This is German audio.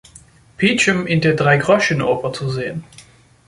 Peachum“ in der Dreigroschenoper zu sehen.